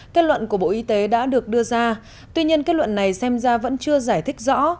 kết luận của bộ y tế đã được đưa ra tuy nhiên kết luận này xem ra vẫn chưa giải thích rõ